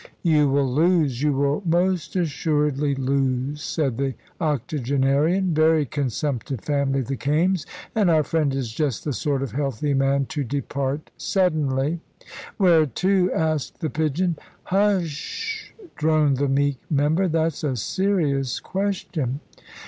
"You will lose; you will most assuredly lose," said the octogenarian. "Very consumptive family, the Kaimes. And our friend is just the sort of healthy man to depart suddenly." "Where to?" asked the pigeon. "Hu s s sh!" droned the meek member; "that's a serious question."